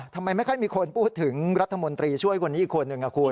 ทำไมไม่ค่อยมีคนพูดถึงรัฐมนตรีช่วยคนนี้อีกคนหนึ่งคุณ